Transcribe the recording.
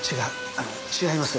あの違います。